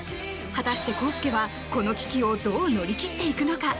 果たして康介は、この危機をどう乗り切っていくのか？